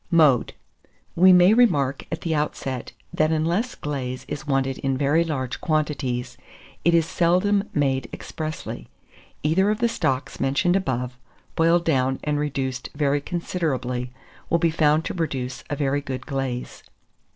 Mode. We may remark at the outset, that unless glaze is wanted in very large quantities, it is seldom made expressly. Either of the stocks mentioned above, boiled down and reduced very considerably, will be found to produce a very good glaze.